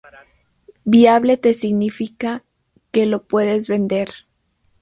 Viable te significa que lo puedes vender".